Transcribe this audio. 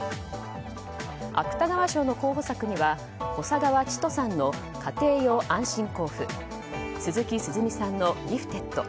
芥川賞の候補作には小砂川チトさんの「家庭用安心坑夫」鈴木涼美さんの「ギフテッド」